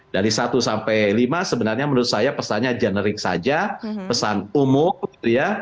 dari satu sampai lima sebenarnya menurut saya pesannya generik saja pesan umum gitu ya